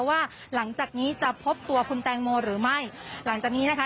ว่าหลังจากนี้จะพบตัวคุณแตงโมหรือไม่หลังจากนี้นะคะ